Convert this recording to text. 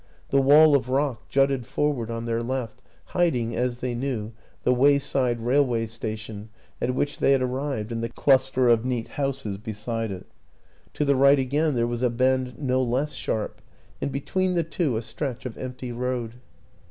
The wall of rock WILLIAM AN ENGLISHMAN 59 jutted forward on their left, hiding, as they knew, the wayside railway station at which they had ar rived and the cluster of neat houses beside it; to the right again there was a bend no less sharp and between the two a stretch of empty road.